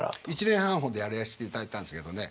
１年半ほどやらせていただいたんですけどね